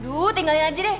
aduh tinggalin aja deh